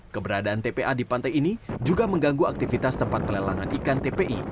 keberadaan tpa di pantai ini juga mengganggu aktivitas tempat pelelangan ikan tpi